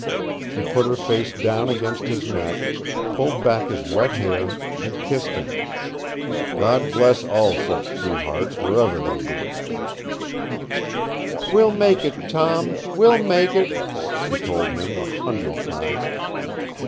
She put her face down against his neck, pulled back his wet hair, and kissed him. God bless all such true hearts, wherever they be! "We'll make it, Tom we'll make it!" she told him a hundred times.